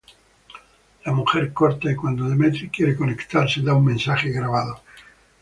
La mujer corta, y cuando Demetri quiere contactarse da un mensaje grabado.